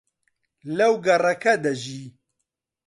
لەو گەڕەکە دەژی.